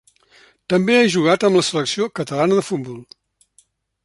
També ha jugat amb la selecció catalana de futbol.